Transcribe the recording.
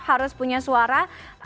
harus punya suara